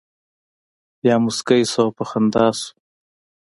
بیا مسکی شو او په خندا شو.